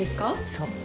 そう。